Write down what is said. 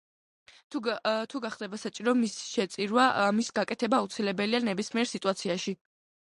თუ გახდება საჭირო მის შეწირვა, ამის გაკეთება აუცილებელია ნებისმიერ სიტუაციაში.